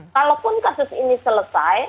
kalaupun kasus ini selesai